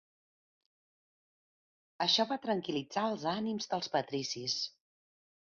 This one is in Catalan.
Això va tranquil·litzar els ànims dels patricis.